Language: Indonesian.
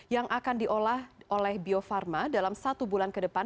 yang akan diolah oleh bio farma dalam satu bulan ke depan